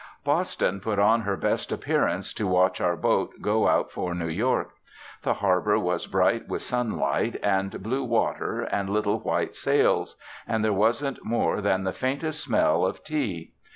Boston put on her best appearance to watch our boat go out for New York. The harbour was bright with sunlight and blue water and little white sails, and there wasn't more than the faintest smell of tea.